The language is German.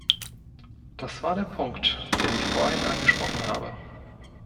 Das war der Punkt, den ich vorhin angesprochen habe.